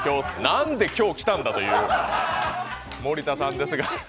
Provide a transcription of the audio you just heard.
なんで今日来たんだという森田さんですが。